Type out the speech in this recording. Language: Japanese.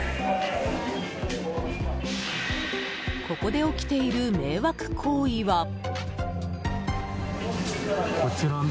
ここで起きている迷惑行為は。